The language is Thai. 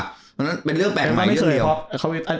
เพราะฉะนั้นเป็นเรื่องแปลกใหม่เรื่องเดียว